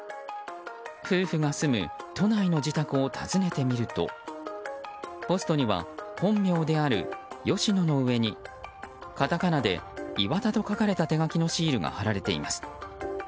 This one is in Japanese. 夫婦が住む都内の自宅を訪ねてみるとポストには本名である吉野の上にカタカナでイワタと書かれた手書きのシールが貼られています。